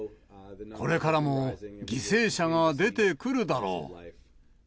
これからも犠牲者が出てくるだろう。